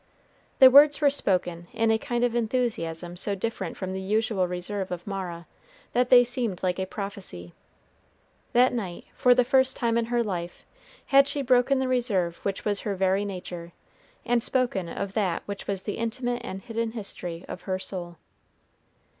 The words were spoken in a kind of enthusiasm so different from the usual reserve of Mara, that they seemed like a prophecy. That night, for the first time in her life, had she broken the reserve which was her very nature, and spoken of that which was the intimate and hidden history of her soul.